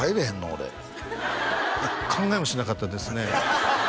俺考えもしなかったですね